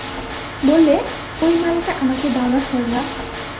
বললে, ঐ মালাটা আমাকে দাও-না সরলা।